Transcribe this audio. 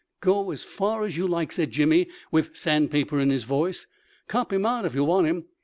"Go as far as you like," said Jimmy, with sandpaper in his voice. "Cop him out if you want him.